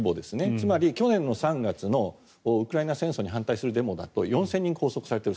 つまり、去年の３月のウクライナ戦争に反対するデモだと４０００人拘束されている。